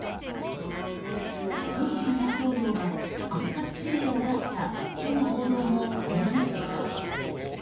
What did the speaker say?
プーチン大統領が暗殺指令を出したとの報道も駆け巡っています。